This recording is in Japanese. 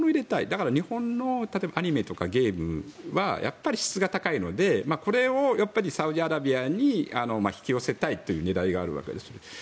だから日本のアニメとかゲームはやっぱり質が高いのでこれをサウジアラビアに引き寄せたいという狙いがあるわけです。